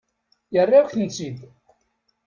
Yerra-yak-tent-id.